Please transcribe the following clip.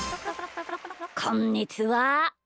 こんにちは。